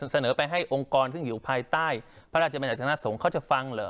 เสนอไปให้องค์กรซึ่งอยู่ภายใต้พระราชบัญญัติคณะสงฆ์เขาจะฟังเหรอ